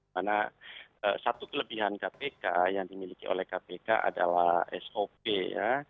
karena satu kelebihan kpk yang dimiliki oleh kpk adalah sop ya